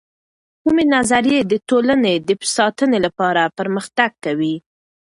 کومې نظریې د ټولنې د ساتنې لپاره پر مختګ کوي؟